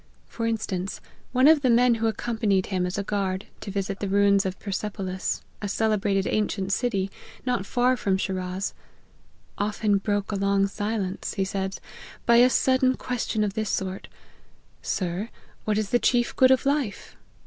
For instance, one of the men who accompanied him as a guard to visit the ruins of Persepolis, a cele brated ancient city, not far from Shiraz, " often broke a long silence," he says, " by a sudden ques tion of this sort :' Sir, what is the chief good of life